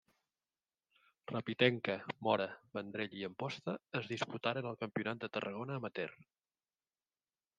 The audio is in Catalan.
Rapitenca, Mora, Vendrell i Amposta es diputaren el campionat de Tarragona amateur.